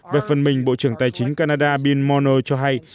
về phần mình bộ trưởng tài chính canada bill mono cho hay